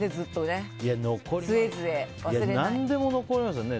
何でも残りますよね。